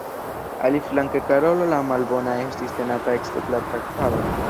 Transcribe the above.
Aliflanke, Karolo la Malbona estis tenata ekster la traktado.